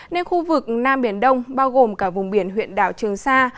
nên khu vực nam biển đông bao gồm cả vùng biển huyện đảo trường sa